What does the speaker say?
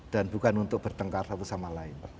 dan bukan untuk bertengkar satu sama lain